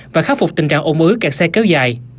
và khắc phục tình trạng ổn ứ cạt xe kéo dài